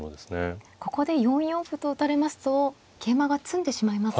ここで４四歩と打たれますと桂馬が詰んでしまいますが。